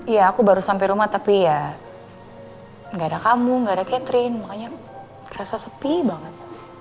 iya aku baru sampai rumah tapi ya nggak ada kamu nggak ada catherine makanya kerasa sepi banget